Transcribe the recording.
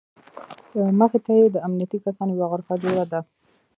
مخې ته یې د امنیتي کسانو یوه غرفه جوړه ده.